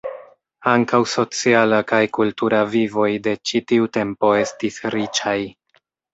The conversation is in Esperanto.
Ankaŭ sociala kaj kultura vivoj de ĉi tiu tempo estis riĉaj.